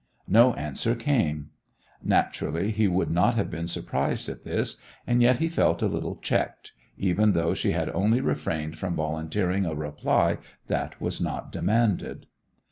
No answer came. Naturally he should not have been surprised at this; and yet he felt a little checked, even though she had only refrained from volunteering a reply that was not demanded.